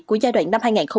của giai đoạn chung cư